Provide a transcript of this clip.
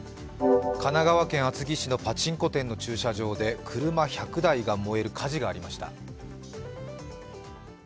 神奈川県厚木市のパチンコ店の駐車場で車１００台が燃える火事がありました。